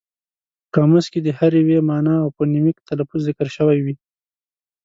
په قاموس کې د هر ویي مانا او فونیمک تلفظ ذکر شوی وي.